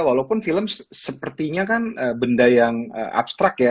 walaupun film sepertinya kan benda yang abstrak ya